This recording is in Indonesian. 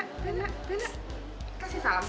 kasih salam sama tante